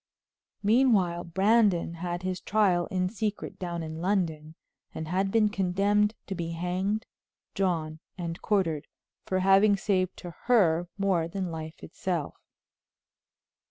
Meanwhile Brandon had his trial in secret down in London, and had been condemned to be hanged, drawn and quartered for having saved to her more than life itself.